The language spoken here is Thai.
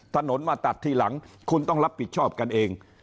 ถนนมาตัดทีหลังคุณต้องรับผิดชอบกันเอง